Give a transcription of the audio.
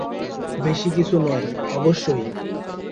বেশি কিছু নয়, অবশ্যই।